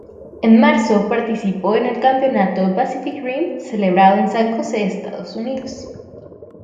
En marzo participó en el Campeonato "Pacific Rim" celebrado en San Jose, Estados Unidos.